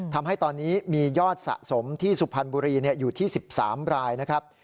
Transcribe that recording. ทำให้ตอนนี้มียอดสะสมที่สุพรรณบุรีอยู่ที่๑๓รายนะครับ